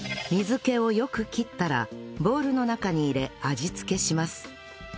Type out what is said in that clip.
水気をよく切ったらボウルの中に入れ味付けします